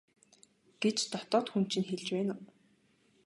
гэж дотоод хүн чинь хэлж байна уу?